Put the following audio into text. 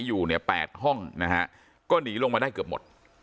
อยู่เนี่ย๘ห้องนะฮะก็หนีลงมาได้เกือบหมด